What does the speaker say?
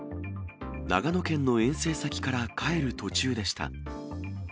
長野県の遠征先から帰る途中でした。